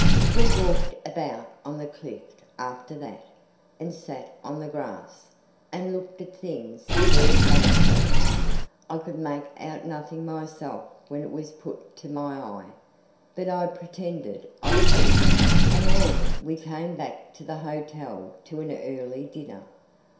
We walked about on the cliff after that, and sat on the grass, and looked at things through a telescope I could make out nothing myself when it was put to my eye, but I pretended I could and then we came back to the hotel to an early dinner.